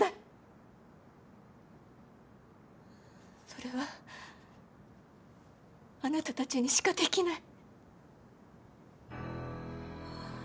それはあなたたちにしかできない。